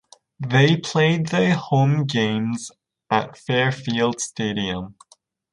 They played their home games at Fairfield Stadium.